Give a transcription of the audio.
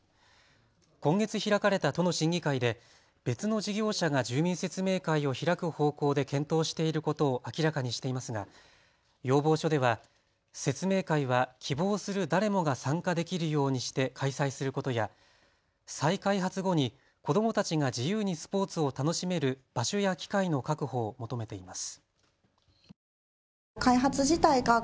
今月開かれた都の審議会で別の事業者が住民説明会を開く方向で検討していることを明らかにしていますが要望書では説明会は希望する誰もが参加できるようにして開催することや再開発後に子どもたちが自由にスポーツを楽しめる場所や機会の確保を求めています。